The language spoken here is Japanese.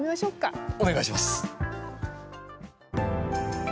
お願いします。